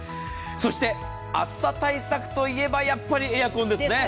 そして、暑さ対策といえば、やっぱりエアコンですよね。